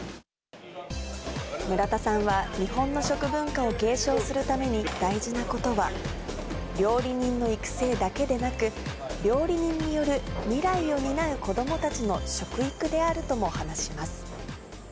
村田さんは、日本の食文化を継承するために大事なことは、料理人の育成だけでなく、料理人による未来を担う子どもたちの食育であるとも話します。